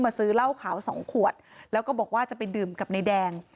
ซื้อเหล้าขาวสองขวดแล้วก็บอกว่าจะไปดื่มกับนายแดง